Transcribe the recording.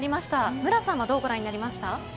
無良さんはどうご覧になりますか。